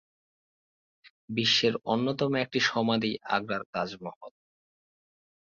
বিশ্বের অন্যতম একটি সমাধি আগ্রার তাজমহল।